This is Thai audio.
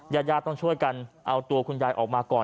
ญาติญาติต้องช่วยกันเอาตัวคุณยายออกมาก่อน